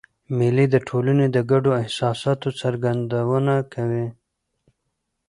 مېلې د ټولني د ګډو احساساتو څرګندونه کوي.